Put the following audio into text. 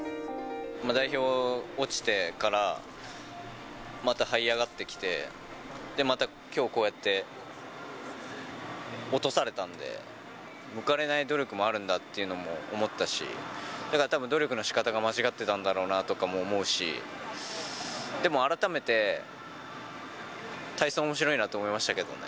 代表落ちてから、またはい上がってきて、で、またきょう、こうやって落とされたんで、報われない努力もあるんだっていうのも思ったし、だからたぶん、努力のしかたが間違ってたんだろうなとも思うし、でも改めて、体操、おもしろいなと思いましたけどね。